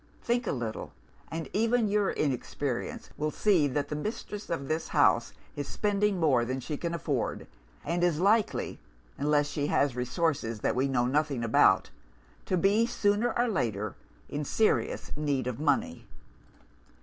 Think a little and even your inexperience will see that the mistress of this house is spending more than she can afford, and is likely (unless she has resources that we know nothing about) to be, sooner or later, in serious need of money.